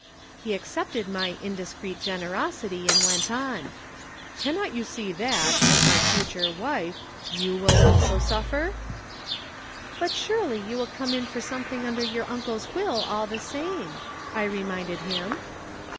"He accepted my 'indiscreet generosity' and went on. 'Cannot you see that, as my future wife, you will also suffer?' "'But surely you will come in for something under your uncle's will all the same,' I reminded him.